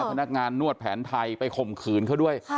พนักงานนวดแผนไทยไปข่มขืนเขาด้วย